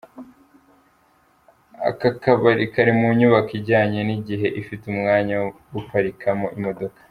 Aka kabari kari munyubako ijyanye n'igihe ifiteumwanya wo guparikamo imodoka.